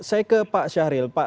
saya ke pak syahril